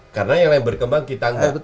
karena yang lain berkembang kita nggak